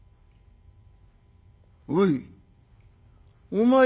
おい。